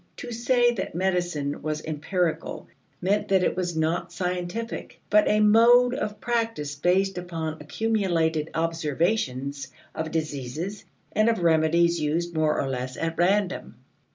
To say that medicine was empirical meant that it was not scientific, but a mode of practice based upon accumulated observations of diseases and of remedies used more or less at random.